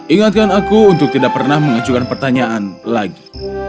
ingatkan aku untuk tidak pernah mengajukan pertanyaan lagi